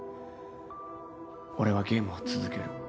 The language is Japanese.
俺はゲームを続ける